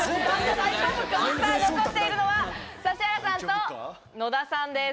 残っているのは指原さんと野田さんです。